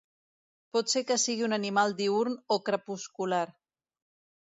Pot ser que sigui un animal diürn o crepuscular.